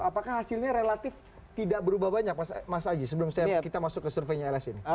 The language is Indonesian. apakah hasilnya relatif tidak berubah banyak mas aji sebelum kita masuk ke surveinya lsi ini